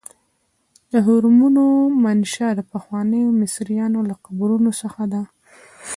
د هرمونو منشا د پخوانیو مصریانو له قبرونو څخه ده.